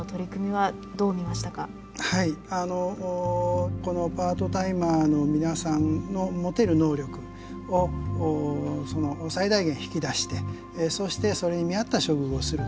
はいあのこのパートタイマーの皆さんの持てる能力を最大限引き出してそしてそれに見合った処遇をする。